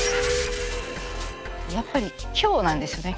やっぱり今日なんですよね。